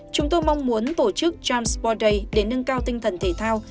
chúng tôi mong muốn tổ chức tram sport day để nâng cao tinh thần thể thao